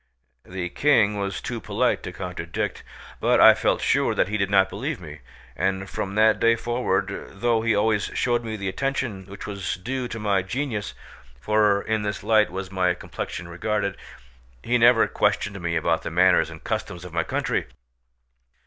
The King was too polite to contradict, but I felt sure that he did not believe me, and from that day forward though he always showed me the attention which was due to my genius (for in this light was my complexion regarded), he never questioned me about the manners and customs of my country.